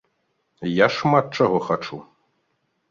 Я шмат чаго хачу!